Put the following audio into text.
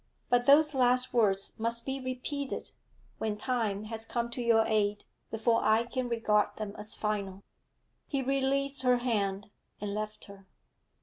But those last words must be repeated when time has come to your aid before I can regard them as final.' He released her hand, and left her....